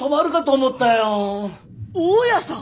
大家さん？